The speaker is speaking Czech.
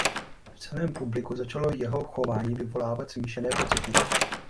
V celém publiku začalo jeho chování vyvolávat smíšené pocity.